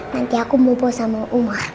nanti aku mau bos sama umar